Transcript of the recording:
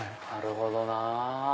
なるほどなぁ。